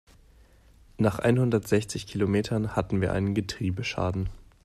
Nach einhundertsechzig Kilometern hatten wir einen Getriebeschaden.